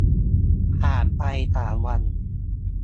ผ่านไปสามวัน